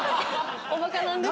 おバカなんです。